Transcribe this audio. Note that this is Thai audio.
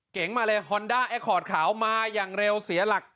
เก๋งมาเลยฮอนด้าแอคคอร์ดขาวมาอย่างเร็วเสียหลัก